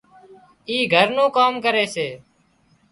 اِي گھر نُون ڪام ڪري سي